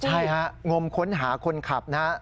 ใช่ฮะงมค้นหาคนขับนะฮะ